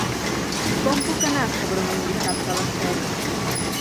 Com puc anar a Sobremunt dissabte a les set?